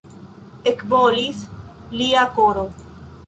Ekbolis lia koro.